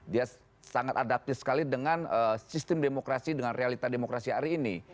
dia sangat adaptif sekali dengan sistem demokrasi dengan realita demokrasi hari ini